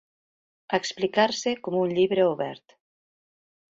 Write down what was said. Explicar-se com un llibre obert.